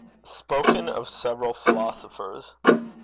SPOKEN OF SEVERAL PHILOSOPHERS.